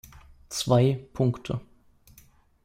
Zwei Punkte.